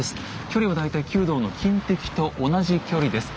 距離は大体弓道の近的と同じ距離です。